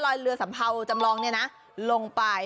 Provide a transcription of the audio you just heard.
ลอยเรือสำเภาจำลองลงไป